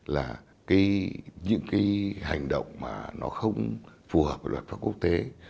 là những cái hành động mà nó không phù hợp với luật pháp quốc tế